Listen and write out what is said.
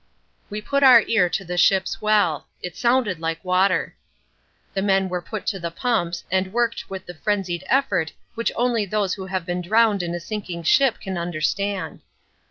We put our ear to the ship's well. It sounded like water. The men were put to the pumps and worked with the frenzied effort which only those who have been drowned in a sinking ship can understand.